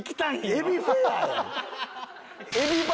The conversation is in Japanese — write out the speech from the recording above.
エビフェアやん！